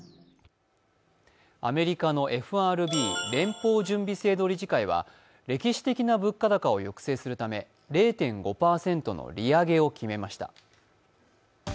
アメリカのＦＲＢ＝連邦準備制度理事会は歴史的な物価高を抑制するため０．５％の利上げを決めました。